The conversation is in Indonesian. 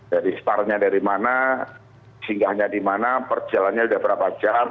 jadi sparnya dari mana singgahnya di mana perjalannya sudah berapa jam